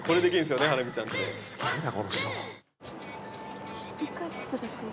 すげえなこの人。